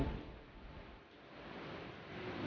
ada hal yang bisa kita kendalikan din